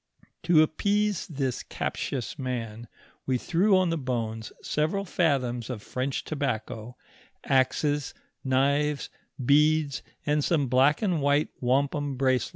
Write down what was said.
To appease this captious man, we threw on the bones several fathoms of French tobacco, axes, knives, beads, and some black and white wampum bracelets.